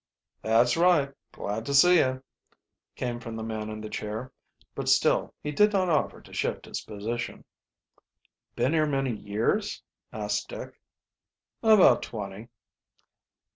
"That's right; glad to see you," came from the man in the chair; but still he did not offer to shift his position. "Been here many years?" asked Dick. "About twenty."